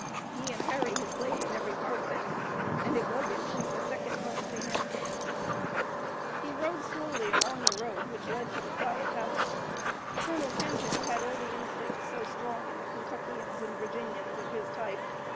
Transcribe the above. He and Harry had played in every part of it, and it was, in truth, a second home to him. He rode slowly along the road which led to the quiet house. Colonel Kenton had all the instincts so strong in the Kentuckians and Virginians of his type.